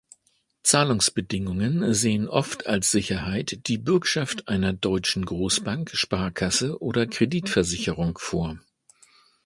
Zahlungsbedingungen sehen oft als Sicherheit die „Bürgschaft einer deutschen Großbank, Sparkasse oder Kreditversicherung“ vor.